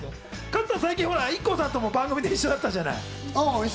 加藤さん、ほら最近ＩＫＫＯさんと番組で一緒だったじゃない。